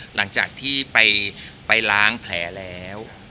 หลังจากที่ไปล้างแผลแล้ว